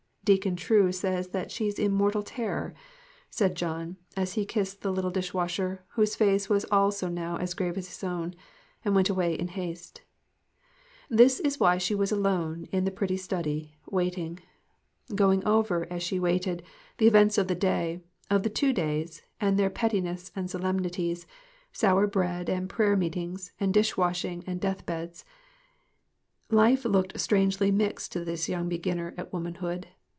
"Deacon True says she is in mortal terror," said MIXED THINGS. 25 John, as he kissed the little dishwasher whose face was also now as grave as his own, and went away in haste. This was why she was alone in the pretty study, waiting. Going over, as she waited, the events of the day, of the two days, and their petti ness and solemnities, sour bread, and prayer meet ings, and dish washing, and death beds, life looked strangely mixed to this young beginner at woman hood.